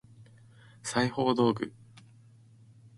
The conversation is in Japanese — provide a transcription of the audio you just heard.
裁縫道具